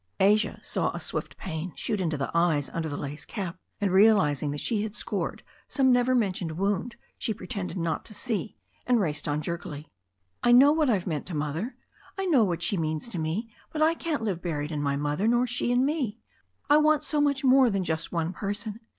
Asia saw a swift pain shoot into the eyes under the lace cap, and realizing that she had scored some never mentioned wound, she pretended not to see, and raced on jerkily, "I know what I've meant to Mother. I know what she means to me, but I can't live buried in my mother, nor she in me. I want so much more than just one person.